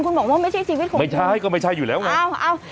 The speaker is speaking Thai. คุณบอกว่าไม่ใช่ชีวิตของผมไม่ใช่ก็ไม่ใช่อยู่แล้วไง